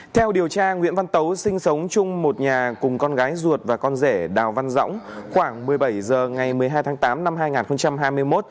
theo điều tra nguyễn văn tấu sinh sống chung một nhà cùng con gái ruột và con rể đào văn dõng khoảng một mươi bảy h ngày một mươi hai tháng tám năm hai nghìn hai mươi một